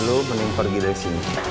lalu mending pergi dari sini